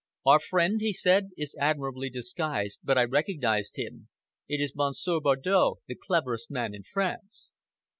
"Our friend," he said, "is admirably disguised, but I recognized him. It is Monsieur Bardow, the cleverest man in France."